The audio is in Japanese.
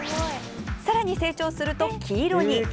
更に成長すると黄色に。